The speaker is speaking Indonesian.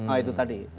ah itu tadi